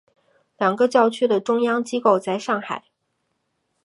两个教区的中央机构在上海。